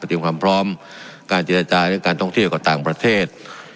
เตรียมความพร้อมการเจรจาเรื่องการท่องเที่ยวกับต่างประเทศ